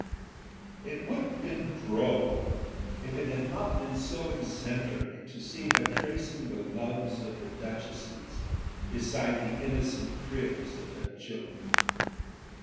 It would have been droll if it had not been so exemplary to see her tracing the loves of the duchesses beside the innocent cribs of her children.